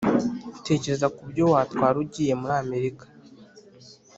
Tekereza ku byo watwara ugiye muri Amerika